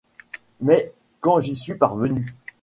Mais quand j'y suis parvenu.